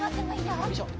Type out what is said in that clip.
よいしょ！